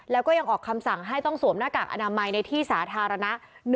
แล้วก็ยังออกคำสั่งให้ต้องสวมหน้ากากอนามัยในที่สาธารณะ